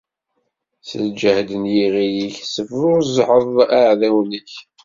S lǧehd n yiɣil-ik, tessebruzzɛeḍ iɛdawen-ik.